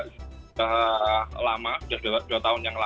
sudah lama sudah dua tahun yang lalu